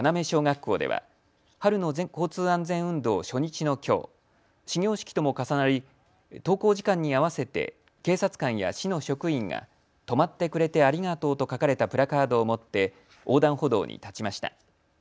小学校では春の交通安全運動初日のきょう、始業式とも重なり、登校時間に合わせて警察官や市の職員が止まってくれてありがとうと書かれたプラカードを持って横断歩道に立ちました。